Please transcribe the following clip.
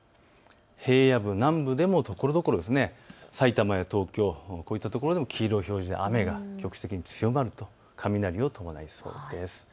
平野部、南部でもところどころ埼玉や東京、こういった所でも黄色い表示、雨が局地的に強まると、雷を伴いそうです。